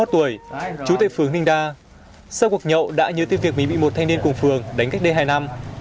ba mươi một tuổi trú tại phường ninh đa sau cuộc nhậu đã nhớ tới việc bị một thanh niên cùng phường đánh cách đây hai năm